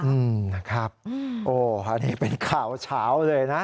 อืมนะครับโอ้คราวนี้เป็นข่าวเฉาเลยนะ